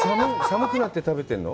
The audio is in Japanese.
寒くなって食べてるの？